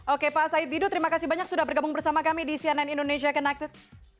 oke pak said didu terima kasih banyak sudah bergabung bersama kami di cnn indonesia connected